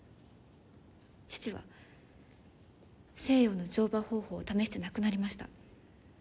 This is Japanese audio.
父は西洋の乗馬方法を試して亡くなりました。